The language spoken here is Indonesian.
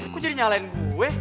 kok jadi nyalain gue